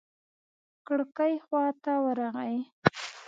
کړکۍ خوا ته ورغى.